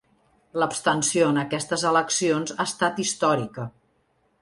Labstenció en aquestes eleccions ha estat històrica.